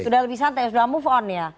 sudah lebih santai sudah move on ya